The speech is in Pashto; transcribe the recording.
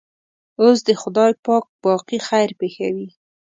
اوس دې خدای پاک باقي خیر پېښوي.